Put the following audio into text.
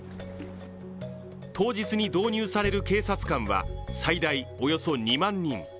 当日に導入される警察官は最大およそ２万人。